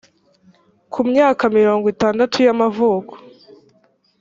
kumyaka mirongo itandatu y amavuko